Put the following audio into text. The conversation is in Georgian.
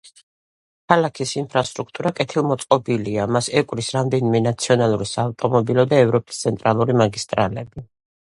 ქალაქის ინფრასტრუქტურა კეთილმოწყობილია, მას ეკვრის რამდენიმე ნაციონალური საავტომობილო და ევროპის ცენტრალური მაგისტრალები.